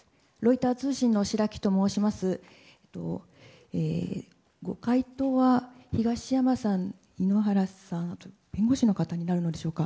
「ビオレ」ご回答は東山さん、井ノ原さん弁護士の方になるのでしょうか。